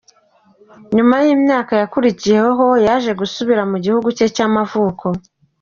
Nyuma y’imyaka yakurikiyeho yaje gusubira mu gihugu cye cy’amavuko.